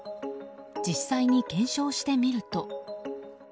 実際に検証してみると。